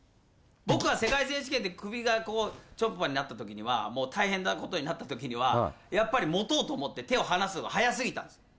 僕は世界選手権で、首がこう、ちょっぱになったときには、もう大変なことになったときには、やっぱり持とうと思って、手を放すのが早すぎたんです。